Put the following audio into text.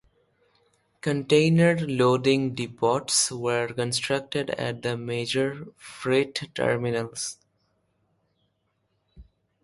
Container loading depots were constructed at the major freight terminals.